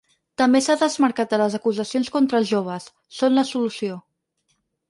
També s’ha desmarcat de les acusacions contra els joves: Són la solució.